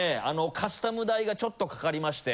カスタム代がちょっとかかりまして。